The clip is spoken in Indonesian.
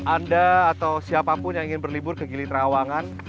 anda atau siapapun yang ingin berlibur ke gilit rawangan